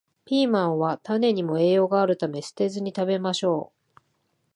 ピーマンは種にも栄養があるため、捨てずに食べましょう